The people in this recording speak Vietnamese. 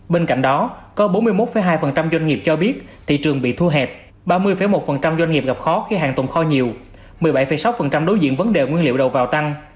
bên cạnh đó có bốn mươi một hai doanh nghiệp cho biết thị trường bị thu hẹp ba mươi một doanh nghiệp gặp khó khi hàng tồn kho nhiều một mươi bảy sáu đối diện vấn đề nguyên liệu đầu vào tăng